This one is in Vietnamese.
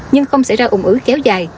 nhưng không sẽ ra ủng ứ kéo dài